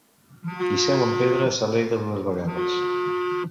Qui seu en pedra s'alegra dues vegades.